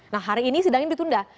nah hari ini sidang ini ditunda